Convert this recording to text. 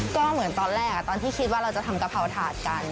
ก็เหมือนตอนแรกตอนที่คิดว่าเราจะทำกะเพราถาดกัน